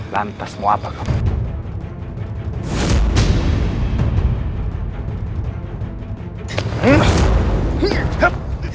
lantas mau apa kamu